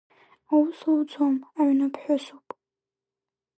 Аус луӡом, аҩны ԥҳәысуп.